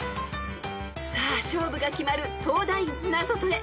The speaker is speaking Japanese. ［さあ勝負が決まる東大ナゾトレ］